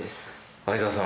相澤さん。